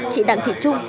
kỵ đặng thị trung